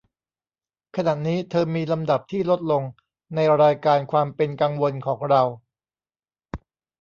ขณะนี้เธอมีลำดับที่ลดลง ในรายการความเป็นกังวลของเรา